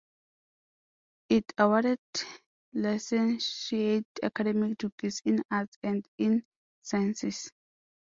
It awarded licentiate academic degrees in arts and in sciences.